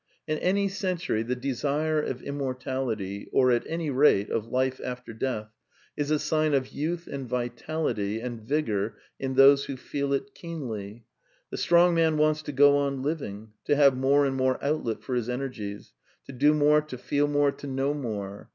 In any century the desire of immortality, or at any rate, of life after death, is a sign of youth and vitality and vigour in those who feel it keenly. The strong man wants to go on living, to have more and more outlet for his energies, to do more, to feel more, to know more.